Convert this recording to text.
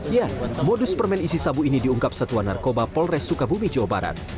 ya modus permen isi sabu ini diungkap satuan narkoba polres sukabumi jawa barat